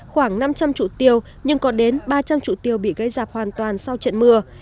khoảng năm trăm linh trụ tiêu nhưng có đến ba trăm linh trụ tiêu bị gây dạp hoàn toàn sau trận mưa